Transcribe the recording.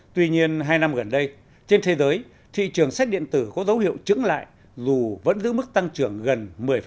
tuy nhiên hai năm gần đây trên thế giới thị trường sách điện tử có dấu hiệu trứng lại dù vẫn giữ mức tăng trưởng gần một mươi